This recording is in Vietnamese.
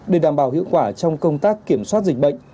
để đảm bảo hiệu quả trong công tác kiểm soát dịch bệnh